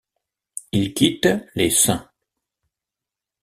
Il quitte les St.